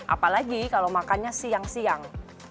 apalagi kalau makannya siang siang